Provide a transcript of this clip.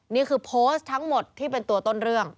นี่คือโพสต์ทั้งหมดที่เป็นตัวต้นเรื่อง